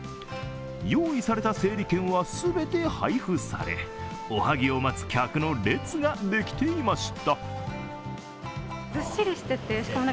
用意された整理券は全て配布され、おはぎを待つ客の列が出来ていました。